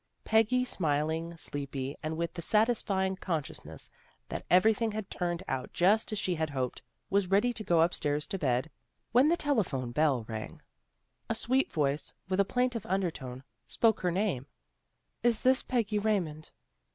Peggy smiling, sleepy, and with the satis fying consciousness that everything had turned out just as she had hoped, was ready to go upstairs to bed, when the telephone bell rang. A sweet voice, with a plaintive undertone, spoke her name " Is this Peggy Raymond?